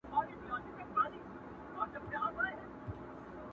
o هندو چي بېکاره سي، خپلي خوټي تلي٫